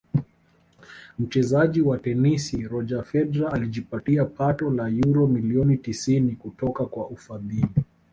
mchezaji wa tenisi Roger Federer alijipatia pato la uro milioni tisini kutoka kwa ufadhili